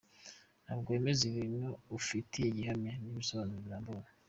Ntabwo wemeza ibintu ufitiye gihamya n’ibisobanuro birambuye.